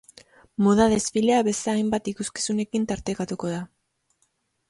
Moda desfilea beste hainbat ikuskizunekin tartekatuko da.